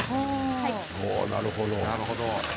なるほど。